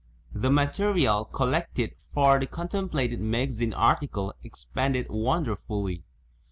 The material collected for the contemplated magazine article expanded wonderfully.